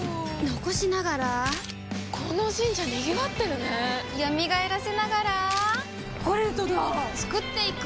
残しながらこの神社賑わってるね蘇らせながらコレドだ創っていく！